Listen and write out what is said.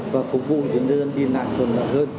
và phục vụ cho người dân đi lại còn lại hơn